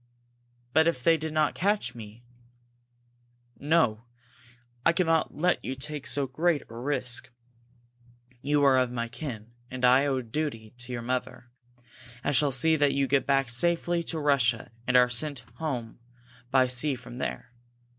"But if they did not catch me " "No! I cannot let you take so great a risk. You are of my kin, and I owe a duty to your mother. I shall see that you get back safely to Russia and are sent home by sea from there."